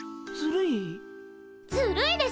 ずるいです！